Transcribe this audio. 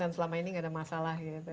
dan selama ini gak ada masalah gitu ya bu